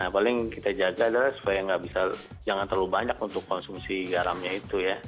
yang paling kita jaga adalah supaya nggak bisa jangan terlalu banyak untuk konsumsi garamnya itu ya